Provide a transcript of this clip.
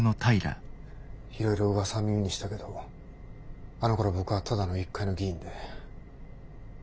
いろいろうわさは耳にしたけどあのころ僕はただの一介の議員で。